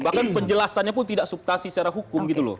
bahkan penjelasannya pun tidak subtansi secara hukum gitu loh